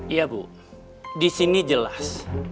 iya bu disini jelas